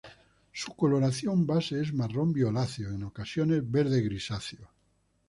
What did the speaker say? Su coloración base es marrón violáceo, en ocasiones verde grisáceo.